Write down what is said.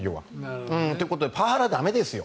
ということでパワハラ駄目ですよ